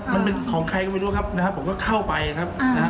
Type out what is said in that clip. มันเป็นของใครก็ไม่รู้ครับนะฮะผมก็เข้าไปครับนะฮะ